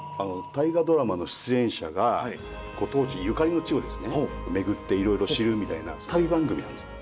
「大河ドラマ」の出演者がご当地ゆかりの地をですね巡っていろいろ知るみたいな旅番組なんですよ。